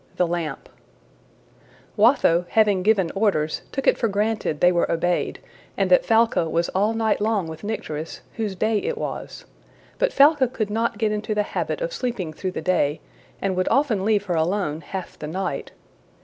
The Lamp WATHO, having given orders, took it for granted they were obeyed, and that Falca was all night long with Nycteris, whose day it was. But Falca could not get into the habit of sleeping through the day, and would often leave her alone half the night.